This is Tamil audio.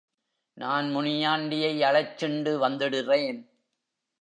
நான் முனியாண்டியை அழைச்சிண்டு வந்திடுறேன்.